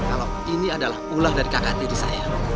kalau ini adalah ulah dari kakak diri saya